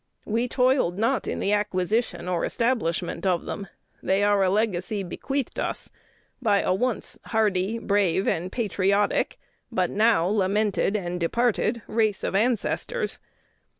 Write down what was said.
We toiled not in the acquisition or establishment of them: they are a legacy bequeathed us by a once hardy, brave, and patriotic, but now lamented and departed race of ancestors.